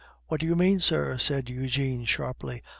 "What do you mean, sir?" said Eugene sharply.